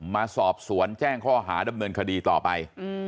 มาสอบสวนแจ้งข้อหาดำเนินคดีต่อไป